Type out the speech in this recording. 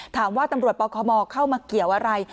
ตำรวจปคมเข้ามาเกี่ยวอะไร